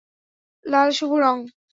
লাল শুভ রঙ।